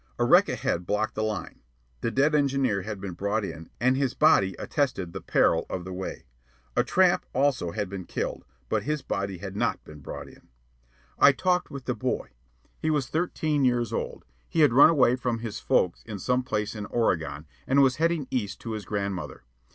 A wreck ahead blocked the line. The dead engineer had been brought in, and his body attested the peril of the way. A tramp, also, had been killed, but his body had not been brought in. I talked with the boy. He was thirteen years old. He had run away from his folks in some place in Oregon, and was heading east to his grandmother.